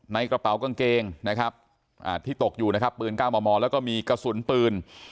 ในกระเป๋ากางเกงนะครับที่ตกอยู่นะครับปืน๙มมแล้วก็มีกระสุนปืน